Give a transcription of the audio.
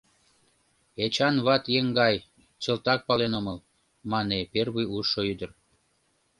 — Эчан ват еҥгай, чылтак пален омыл, — мане первый ужшо ӱдыр.